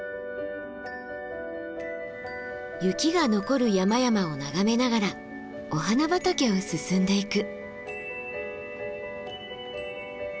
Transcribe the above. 雪が残る山々を眺めながらお花畑を進んでいく。